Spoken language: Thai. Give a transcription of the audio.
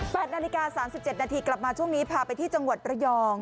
แปดนาฬิกา๓๗นาทีกลับมาช่วงนี้พาไปที่จังหวัดประยอง